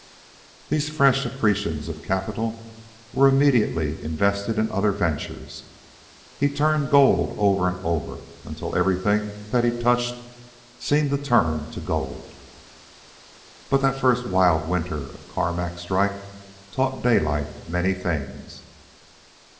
These fresh accretions of capital were immediately invested in other ventures. He turned gold over and over, until everything that he touched seemed to turn to gold. But that first wild winter of Carmack's strike taught Daylight many things.